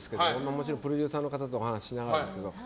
もちろんプロデューサーの方とお話ししながらですけど。